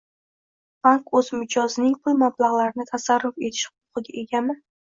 Bank o‘z mijozining pul mablag‘larini tasarruf etish xuquqiga egami?